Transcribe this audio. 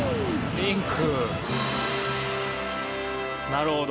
なるほど。